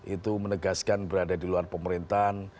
itu menegaskan berada di luar pemerintahan